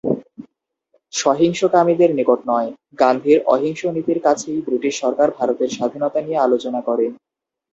সহিংসকামীদের নিকট নয়, গান্ধীর অহিংস নীতির কাছেই ব্রিটিশ সরকার ভারতের স্বাধীনতা নিয়ে আলোচনা করে।